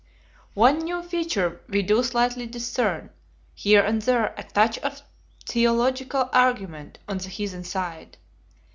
One new feature we do slightly discern: here and there a touch of theological argument on the heathen side.